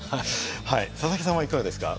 佐々木さんはいかがですか？